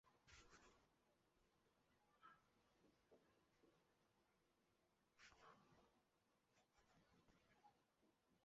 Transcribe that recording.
勃艮第公爵宫是法国城市第戎一组保存非常完好的建筑群。